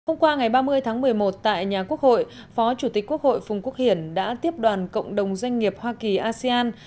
hôm qua ngày ba mươi tháng một mươi một tại nhà quốc hội phó chủ tịch quốc hội phùng quốc hiển đã tiếp đoàn cộng đồng doanh nghiệp hoa kỳ asean